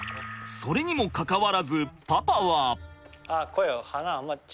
それにもかかわらずパパは。